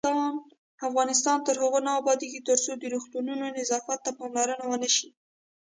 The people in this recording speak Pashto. افغانستان تر هغو نه ابادیږي، ترڅو د روغتونونو نظافت ته پاملرنه ونشي.